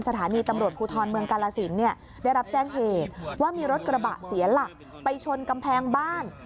สถานีตำรวจภูทรเมืองกาลสิน